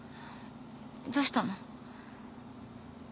どうしたの？